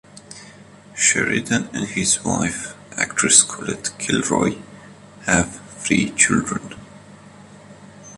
Sheridan and his wife, actress Colette Kilroy, have three children.